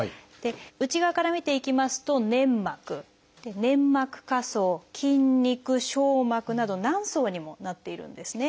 内側から見ていきますと粘膜粘膜下層筋肉しょう膜など何層にもなっているんですね。